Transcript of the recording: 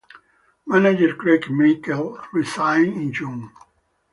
Manager Craig Meikle resigned in June.